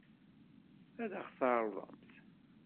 Ad ɣ-t-tɛeṛḍemt?